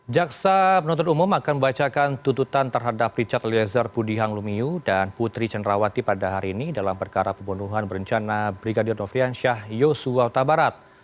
jaksa penuntut umum akan membacakan tuntutan terhadap richard eliezer pudihang lumiu dan putri cenrawati pada hari ini dalam perkara pembunuhan berencana brigadir nofrian syah yosua utabarat